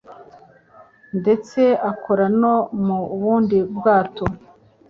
ndetse akora no mu bundi bwato